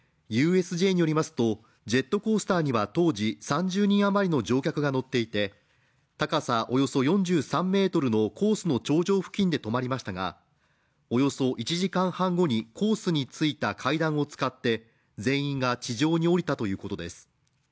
ＵＳＪによりますと、ジェットコースターには当時３０人余りの乗客が乗っていて高さおよそ４３ｍのコースの頂上付近で止まりましたが、およそ１時間半後にコースについた階段を使って全員が地上に降りたということです。